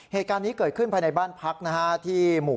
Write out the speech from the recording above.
เหตุการณ์นี้เกิดขึ้นภายในบ้านพักนะฮะที่หมู่๑